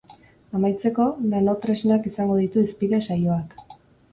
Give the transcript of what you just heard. Amaitzeko, nanotresnak izango ditu hizpide saioak.